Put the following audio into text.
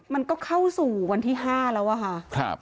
มันก็เข้าสู่วันที่๕แล้วอะค่ะ